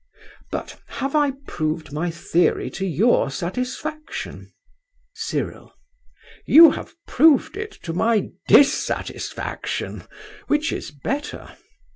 But have I proved my theory to your satisfaction? CYRIL. You have proved it to my dissatisfaction, which is better.